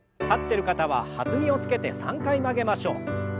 立ってる方は弾みをつけて３回曲げましょう。